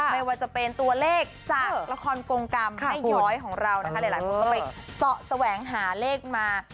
ไม่ว่าจะเป็นตัวเลขจากละครกงกรรมแม่ย้อยของเรานะคะหลายคนก็ไปเสาะแสวงหาเลขมา